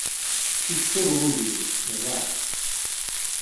Iččur wul-iw, iḍaq.